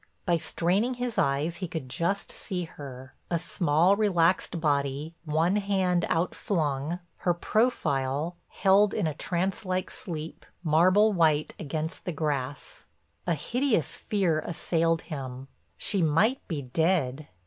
By straining his eyes he could just see her, a small, relaxed body, one hand outflung, her profile, held in a trance like sleep, marble white against the grass. A hideous fear assailed him:—she might be dead.